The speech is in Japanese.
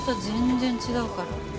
全然違うから。